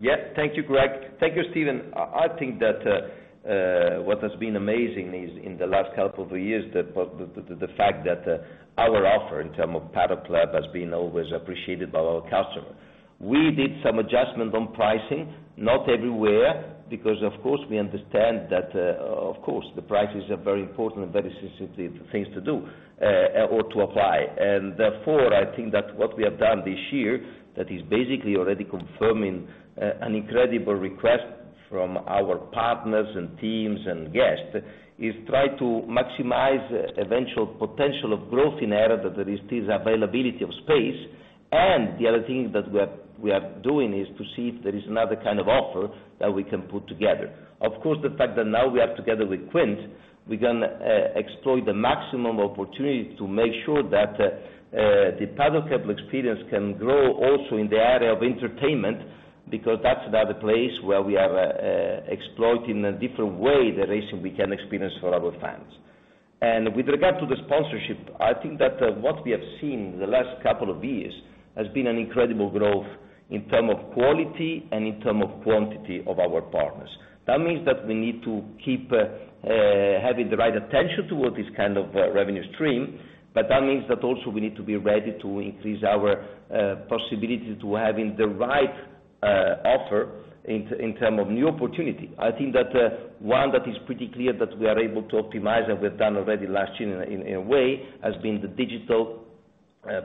Yeah, thank you, Greg. Thank you, Steven. I, I think that what has been amazing is in the last couple of years, the fact that our offer in terms of Paddock Club has been always appreciated by our customers. We did some adjustment on pricing, not everywhere, because, of course, we understand that, of course, the prices are very important and very sensitive things to do or to apply. And therefore, I think that what we have done this year, that is basically already confirming an incredible request from our partners and teams and guests, is try to maximize eventual potential of growth in area that there is still availability of space. And the other thing that we are doing is to see if there is another kind of offer that we can put together. Of course, the fact that now we are together with Quint, we can exploit the maximum opportunity to make sure that the Paddock Club experience can grow also in the area of entertainment, because that's another place where we are exploiting a different way the racing weekend experience for our fans. With regard to the sponsorship, I think that what we have seen in the last couple of years has been an incredible growth in term of quality and in term of quantity of our partners. That means that we need to keep having the right attention towards this kind of revenue stream, but that means that also we need to be ready to increase our possibility to having the right offer in term of new opportunity. I think that, one, that is pretty clear that we are able to optimize, and we've done already last year in a, in a way, has been the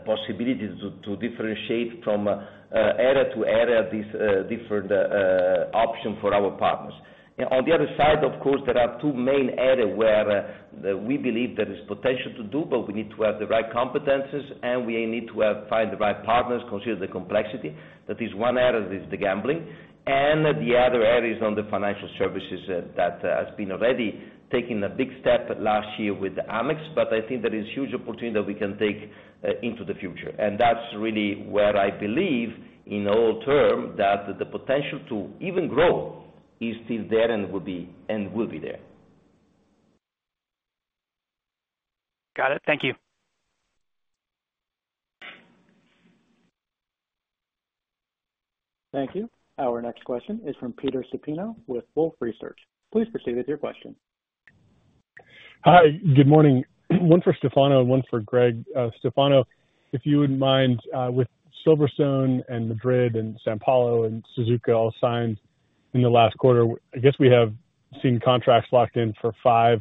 possibility to, to differentiate from, area to area, these, different, option for our partners. And on the other side, of course, there are two main areas where, we believe there is potential to do, but we need to have the right competencies, and we need to have, find the right partners, consider the complexity. That is one area, is the gambling, and the other area is on the financial services, that has been already taking a big step last year with Amex. But I think there is huge opportunity that we can take, into the future. That's really where I believe, in all terms, that the potential to even grow is still there and will be, and will be there. Got it. Thank you. Thank you. Our next question is from Peter Supino with Wolfe Research. Please proceed with your question. Hi, good morning. One for Stefano and one for Greg. Stefano, if you wouldn't mind, with Silverstone and Madrid and São Paulo and Suzuka all signed in the last quarter, I guess we have seen contracts locked in for five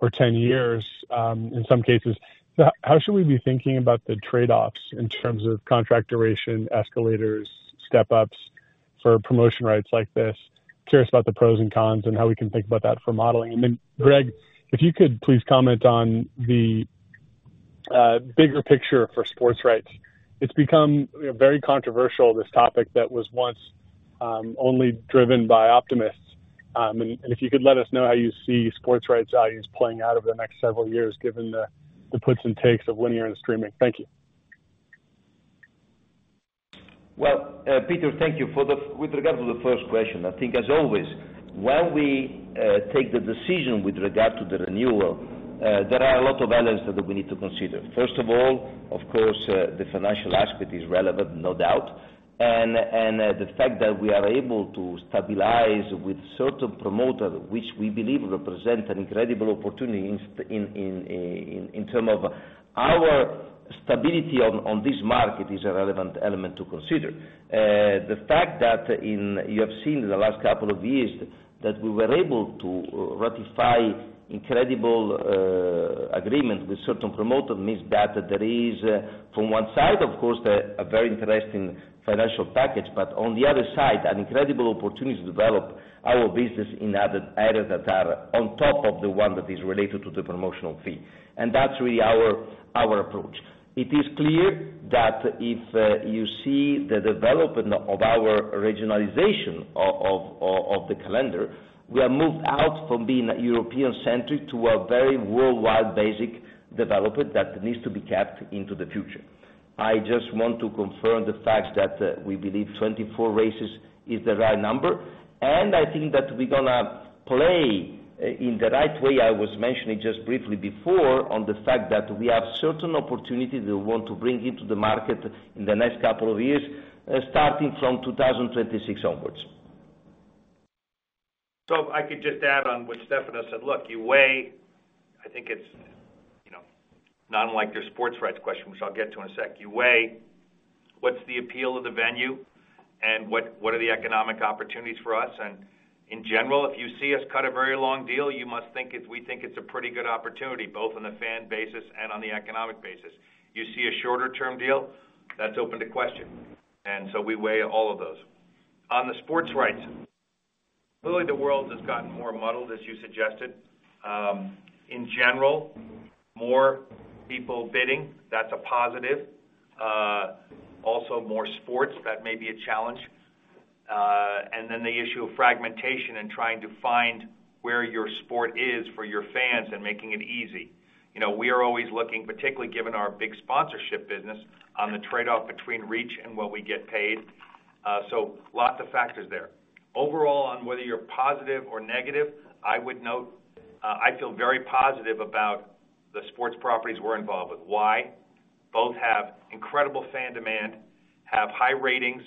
or 10 years, in some cases. How should we be thinking about the trade-offs in terms of contract duration, escalators, step ups for promotion rights like this? Curious about the pros and cons and how we can think about that for modeling. Then, Greg, if you could please comment on the bigger picture for sports rights. It's become very controversial, this topic that was once only driven by optimists. And if you could let us know how you see sports rights values playing out over the next several years, given the puts and takes of linear and streaming. Thank you. Well, Peter, thank you. With regard to the first question, I think as always, when we take the decision with regard to the renewal, there are a lot of elements that we need to consider. First of all, of course, the financial aspect is relevant, no doubt. And the fact that we are able to stabilize with certain promoter, which we believe represents an incredible opportunity in terms of our stability on this market, is a relevant element to consider. The fact that in... You have seen in the last couple of years that we were able to ratify incredible agreement with certain promoter, means that there is, from one side, of course, a very interesting financial package, but on the other side, an incredible opportunity to develop our business in other areas that are on top of the one that is related to the promotional fee. And that's really our approach. It is clear that if you see the development of our regionalization of the calendar, we are moved out from being European centric to a very worldwide basic development that needs to be kept into the future. I just want to confirm the fact that we believe 24 races is the right number, and I think that we're gonna play in the right way. I was mentioning just briefly before on the fact that we have certain opportunities we want to bring into the market in the next couple of years, starting from 2026 onwards. If I could just add on what Stefano said. Look, you weigh, I think it's, you know, not unlike your sports rights question, which I'll get to in a sec. You weigh what's the appeal of the venue and what, what are the economic opportunities for us. In general, if you see us cut a very long deal, you must think it's, we think it's a pretty good opportunity, both on the fan basis and on the economic basis. You see a shorter-term deal, that's open to question, and so we weigh all of those. On the sports rights, really, the world has gotten more muddled, as you suggested. In general, more people bidding, that's a positive. Also more sports, that may be a challenge. And then the issue of fragmentation and trying to find where your sport is for your fans and making it easy. You know, we are always looking, particularly given our big sponsorship business, on the trade-off between reach and what we get paid. So lots of factors there. Overall, on whether you're positive or negative, I would note, I feel very positive about the sports properties we're involved with. Why? Both have incredible fan demand, have high ratings,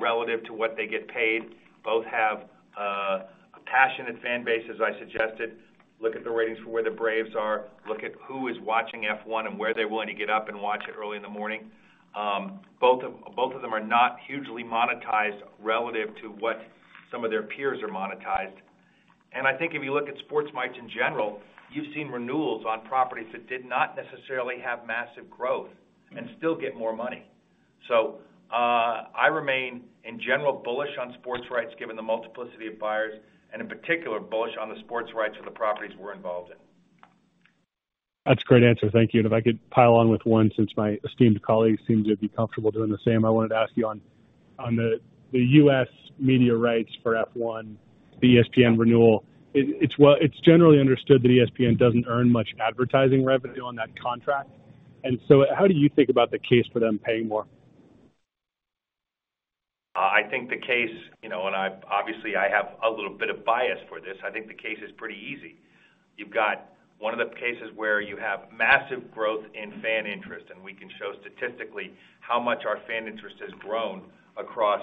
relative to what they get paid. Both have a passionate fan base, as I suggested. Look at the ratings for where the Braves are, look at who is watching F1 and where they're willing to get up and watch it early in the morning. Both of them are not hugely monetized relative to what some of their peers are monetized. I think if you look at sports rights in general, you've seen renewals on properties that did not necessarily have massive growth and still get more money. So, I remain, in general, bullish on sports rights, given the multiplicity of buyers, and in particular, bullish on the sports rights of the properties we're involved in. That's a great answer. Thank you. And if I could pile on with one, since my esteemed colleague seems to be comfortable doing the same. I wanted to ask you on the U.S. media rights for F1, the ESPN renewal. It's, well, it's generally understood that ESPN doesn't earn much advertising revenue on that contract, and so how do you think about the case for them paying more? I think the case, you know, and I've obviously, I have a little bit of bias for this. I think the case is pretty easy. You've got one of the cases where you have massive growth in fan interest, and we can show statistically how much our fan interest has grown across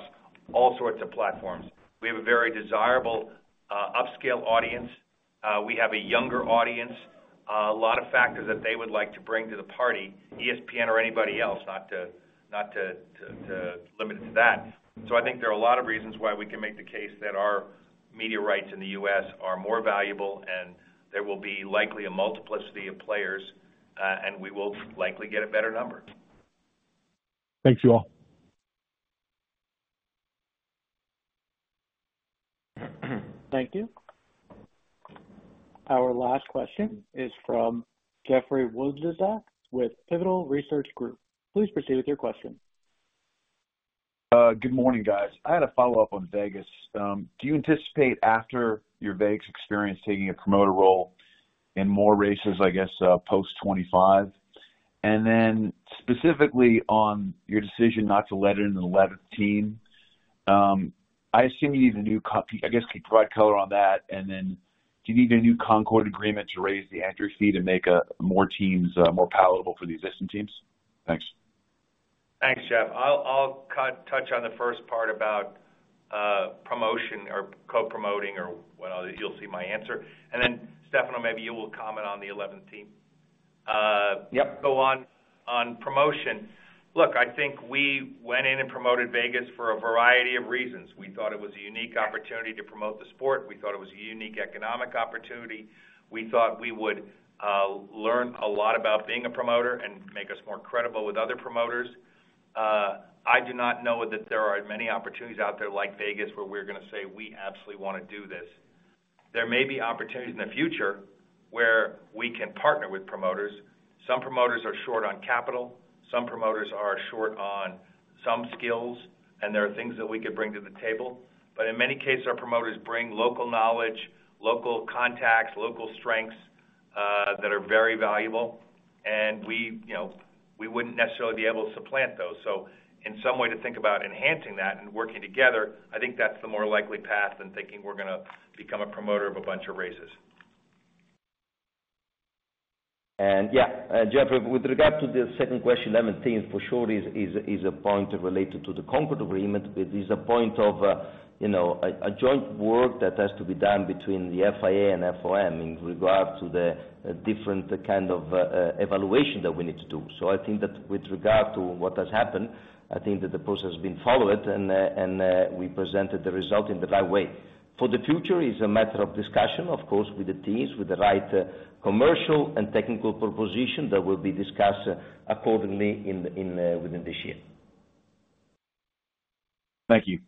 all sorts of platforms. We have a very desirable, upscale audience. We have a younger audience, a lot of factors that they would like to bring to the party, ESPN or anybody else, not to limit it to that. So I think there are a lot of reasons why we can make the case that our media rights in the US are more valuable, and there will be likely a multiplicity of players, and we will likely get a better number. Thanks, you all. Thank you. Our last question is from Jeffrey Wlodarczak with Pivotal Research Group. Please proceed with your question. Good morning, guys. I had a follow-up on Vegas. Do you anticipate after your Vegas experience, taking a promoter role in more races, I guess, post 2025? And then specifically on your decision not to let in an 11th team, I assume you need a new, I guess, can you provide color on that, and then do you need a new Concorde Agreement to raise the entry fee to make more teams more palatable for the existing teams? Thanks. Thanks, Jeff. I'll touch on the first part about promotion or co-promoting or what other... You'll see my answer. And then, Stefano, maybe you will comment on the eleventh team. Uh, yep. Go on, on promotion. Look, I think we went in and promoted Vegas for a variety of reasons. We thought it was a unique opportunity to promote the sport. We thought it was a unique economic opportunity. We thought we would learn a lot about being a promoter and make us more credible with other promoters. I do not know that there are many opportunities out there like Vegas, where we're gonna say: We absolutely wanna do this. There may be opportunities in the future where we can partner with promoters. Some promoters are short on capital, some promoters are short on some skills, and there are things that we could bring to the table. But in many cases, our promoters bring local knowledge, local contacts, local strengths that are very valuable, and we, you know, we wouldn't necessarily be able to supplant those. In some way, to think about enhancing that and working together, I think that's the more likely path than thinking we're gonna become a promoter of a bunch of races. And yeah, Jeffrey, with regard to the second question, eleventh team, for sure, is a point related to the Concorde Agreement. It is a point of, you know, a joint work that has to be done between the FIA and FOM in regard to the different kind of evaluation that we need to do. So I think that with regard to what has happened, I think that the process has been followed, and we presented the result in the right way. For the future, it's a matter of discussion, of course, with the teams, with the right commercial and technical proposition that will be discussed accordingly within this year. Thank you.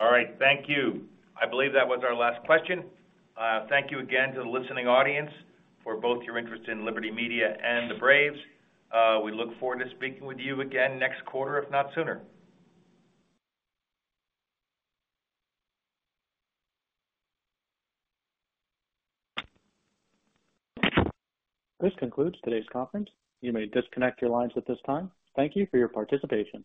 All right. Thank you. I believe that was our last question. Thank you again to the listening audience for both your interest in Liberty Media and the Braves. We look forward to speaking with you again next quarter, if not sooner. This concludes today's conference. You may disconnect your lines at this time. Thank you for your participation.